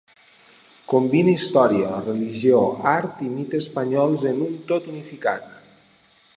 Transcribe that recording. Combina història, religió, art i mite espanyols en un tot unificat.